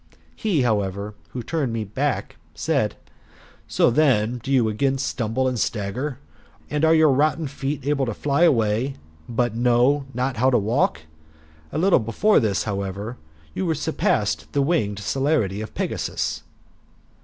He, however, who turned me back, said: "So then, do you again stumble and stagger? And are your rotten feet able to fly away, but know not how to walk? A little before this, however, you surpassed the winged celerity of Pegasus."